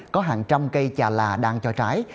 có hàng trăm cây trà lạ đang trò trái